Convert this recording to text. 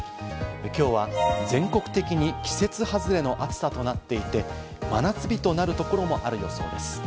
今日は全国的に季節外れの暑さとなっていて、真夏日となるところもある予想です。